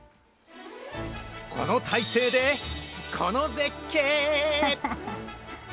この体勢で、この絶景。